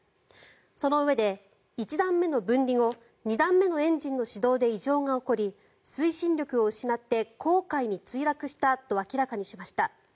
そのうえで、１段目の分離後２段目のエンジンの始動で異常が起こり推進力を失って黄海に墜落したと明らかにしました。